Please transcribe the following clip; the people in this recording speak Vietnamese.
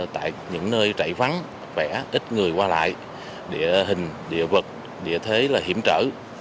tại những nơi trải vắng vẻ ít người qua lại địa hình địa vực địa thế hiểm trở